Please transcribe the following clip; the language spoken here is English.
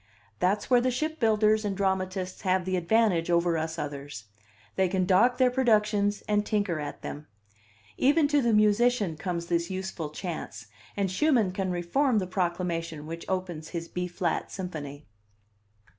That's where the ship builders and dramatists have the advantage over us others: they can dock their productions and tinker at them. Even to the musician comes this useful chance, and Schumann can reform the proclamation which opens his B flat Symphony.